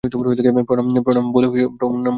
প্রণাম বলে খেয়ে নাও।